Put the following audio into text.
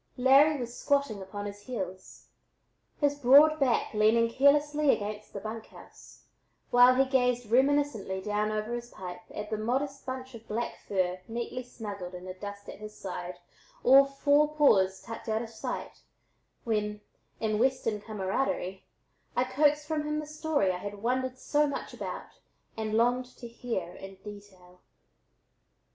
Larry was squatting upon his heels, his broad back leaning carelessly against the "bunk house," while he gazed reminiscently down over his pipe at the modest bunch of black fur neatly snuggled in the dust at his side, all four paws tucked out of sight, when, in Western cameraderie, I coaxed from him the story I had wondered so much about and longed to hear in detail.